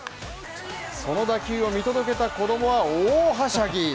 その打球を見届けた子供は大はしゃぎ。